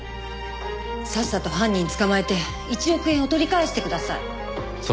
さっさと犯人捕まえて１億円を取り返してください。